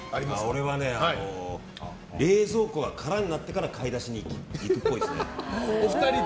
俺はね冷蔵庫が空になってから買い出しに行くっぽいですね。